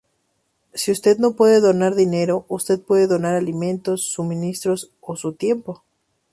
Si usted no puede donar dinero, usted puede donar alimentos, suministros o su tiempo.